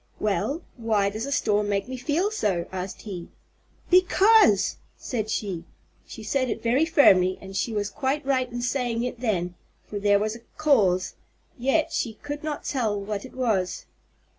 "Well, why does a storm make me feel so?" asked he. "Because!" said she. She said it very firmly and she was quite right in saying it then, for there was a cause, yet she could not tell what it was.